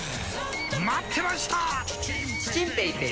待ってました！